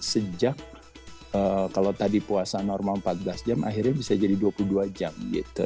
sejak kalau tadi puasa normal empat belas jam akhirnya bisa jadi dua puluh dua jam gitu